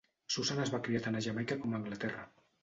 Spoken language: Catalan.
Susan es va criar tant a Jamaica com a Anglaterra.